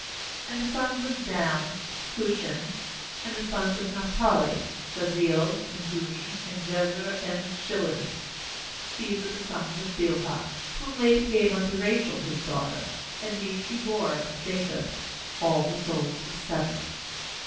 ^And the sons of Dan : Hushim. ^And the sons of Naphtali: Jahzeel, and Guni, and Jezer, and Shillem. 25These are the sons of Bilhah, whom Laban gave unto Rachel his daughter, and these she bore unto Jacob; all the souls were seven.